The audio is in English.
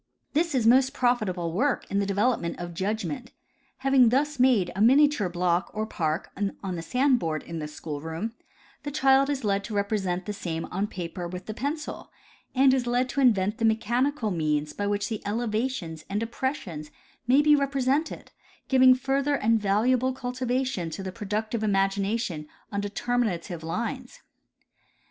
This is most profitable work in the development of judgment. Having thus made a miniature block or park on the sand board in the school room, the child is led to represent the same on paper with the pencil, and is led to invent the mechanical means by which the elevations and depressions may be represented, giving fur ther and valuable cultivation to the productive imagination on determinative lines.